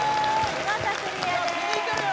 見事クリアです